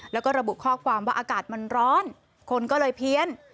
แล้วก็ระบุข้อความว่าอากาศมันร้อนคนก็เลยเพี้ยน